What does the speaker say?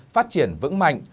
phát triển vững mạnh